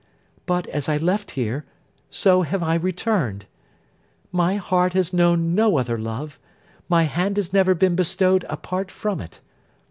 But, as I left here, so I have returned. My heart has known no other love, my hand has never been bestowed apart from it.